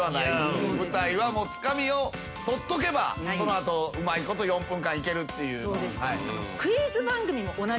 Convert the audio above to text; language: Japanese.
舞台はつかみを取っとけばその後うまいこと４分間いけるっていうのは。